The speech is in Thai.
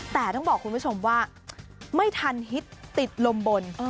แต่ต้องบอกคุณผู้ชมว่าไม่ทันฮิตติดลมบน